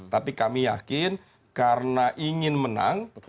tapi kami yakin karena ingin menang